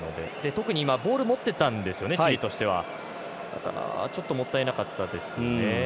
特に今ボール持ってたんですよねだから、ちょっともったいなかったですよね。